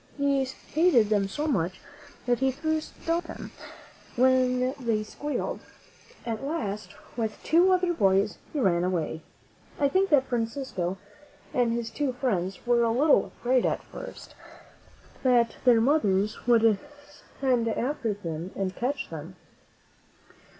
He hated them so much that he threw stones at them when they squealed. At last, with two other boys, he ran away". I think that Francisco and his two friends were a little afraid, at first, that their mothers would send after them and catch them.